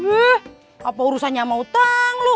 eh apa urusannya sama utang lu